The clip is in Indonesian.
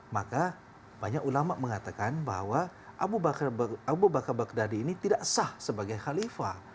maka banyak ulama mengatakan bahwa abu bakar baghdadi ini tidak sah sebagai khalifah